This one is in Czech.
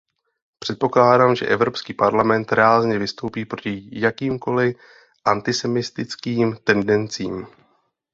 Předpokládám, že Evropský parlament rázně vystoupí proti jakýmkoli antisemitským tendencím.